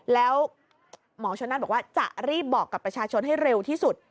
แล้วหมอชนนั่นบอกว่าจะรีบบอกกับประชาชนให้เร็วที่สุด